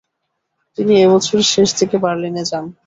তিনি এ বছরের শেষ দিকে বার্লিনে যান।